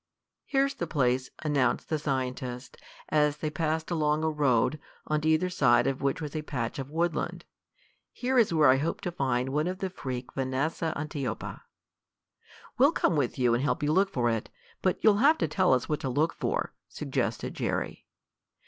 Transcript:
"Here's the place," announced the scientist, as they passed along a road, on either side of which was a patch of woodland. "Here is where I hope to find one of the freak Vanessa antiopa." "We'll come with you and help look for it, but you'll have to tell us what to look for," suggested Jerry.